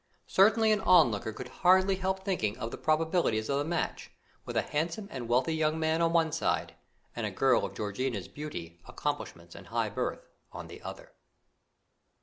Certainly an onlooker could hardly help thinking of the probabilities of the match, with a handsome and wealthy young man on the one side, and a girl of Georgiana's beauty, accomplishments and high birth on the other.